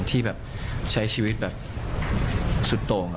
ที่แบบใช้ชีวิตแบบสุดโต่ง